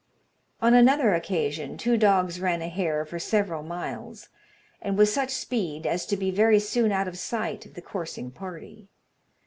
On another occasion, two dogs ran a hare for several miles, and with such speed as to be very soon out of sight of the coursing party.